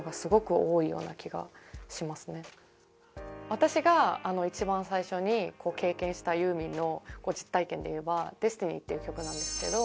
私が一番最初に経験したユーミンの実体験でいえば『ＤＥＳＴＩＮＹ』って曲なんですけど。